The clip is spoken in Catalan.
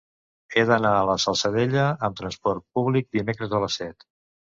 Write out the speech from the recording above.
He d'anar a la Salzadella amb transport públic dimecres a les set.